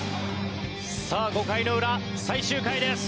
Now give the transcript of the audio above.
さあ５回の裏最終回です。